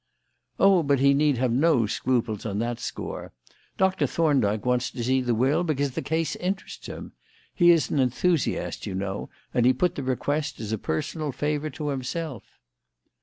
'" "Oh, but he need have no scruples on that score. Doctor Thorndyke wants to see the will because the case interests him. He is an enthusiast, you know, and he put the request as a personal favour to himself."